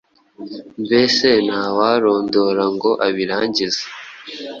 mbese ntawarondora ngo abirangize.